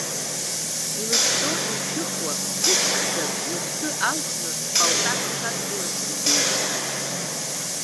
Илышәҵо, илшәыхуа, ԥҳәыс ԥшӡак, лыԥсы алаханы, палтак дшадгылаз ибеит.